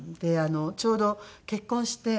ちょうど結婚して。